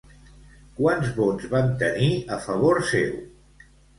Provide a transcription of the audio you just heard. Quants vots van tenir a favor seu?